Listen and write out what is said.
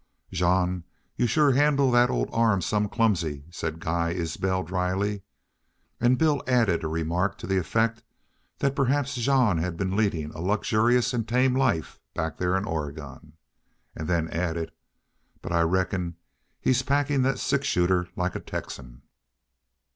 "Jean, you shore handle thet old arm some clumsy," said Guy Isbel, dryly. And Bill added a remark to the effect that perhaps Jean had been leading a luxurious and tame life back there in Oregon, and then added, "But I reckon he's packin' that six shooter like a Texan."